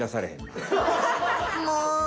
もう？